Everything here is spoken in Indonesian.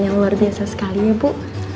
yang luar biasa sekali ya bu